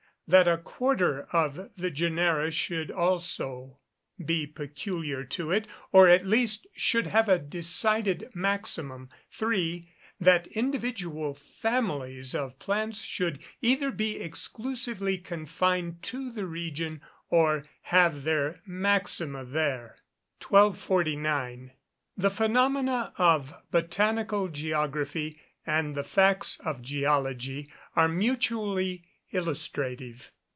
That a quarter of the genera should also be peculiar to it, or at least should have a decided maximum. 3. That individual families of plants should either be exclusively confined to the region, or have their maxima there. 1249. The phenomena of botanical geography, and the facts of geology, are mutually illustrative.